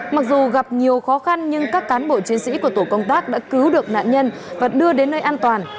mặc dù gặp nhiều khó khăn nhưng các cán bộ chiến sĩ của tổ công tác đã cứu được nạn nhân và đưa đến nơi an toàn